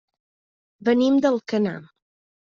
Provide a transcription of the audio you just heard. Venim d'Alcanar.